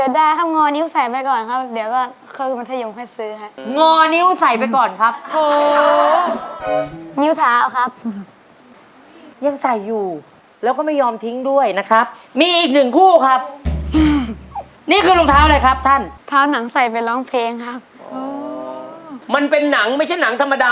แต่ก็นักเรียนชายอ่ะเขาเจ็บใช่ไหมฮะพี่วัยใช่ใช่เขาจะเหลือเข่า